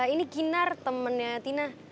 ini kinar temennya tina